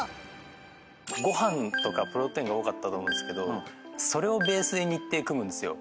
ご飯とかプロテインが多かったと思うんですけどそれをベースに日程組むんですよ。